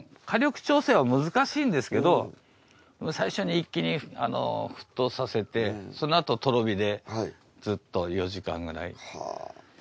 火力調整は難しいんですけど最初に一気に沸騰させてそのあととろ火でずっと４時間くらい。